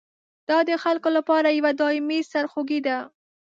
دا د خلکو لپاره یوه دایمي سرخوږي ده.